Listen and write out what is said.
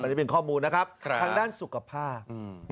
อันนี้เป็นข้อมูลนะครับทางด้านสุขภาพ